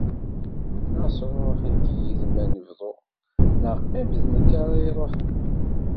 Ɣas ṛuḥ nekk yid-m ad nebḍu neɣ qqim d nekk ara iṛuḥen.